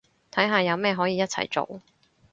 睇下有咩可以一齊做